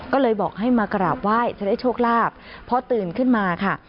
ก็เลยบอกให้มากราบไหว้จะได้โชคลาภพอตื่นขึ้นมาค่ะ